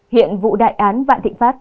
hiện vụ đại án vạn thịnh pháp